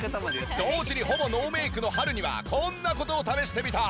同時にほぼノーメイクのはるにはこんな事を試してみた。